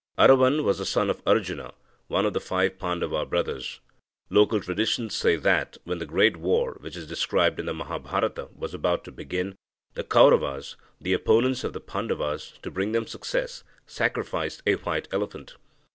Aravan was the son of Arjuna, one of the five Pandava brothers. Local traditions says that, when the great war which is described in the Mahabharata was about to begin, the Kauravas, the opponents of the Pandavas, to bring them success, sacrificed a white elephant.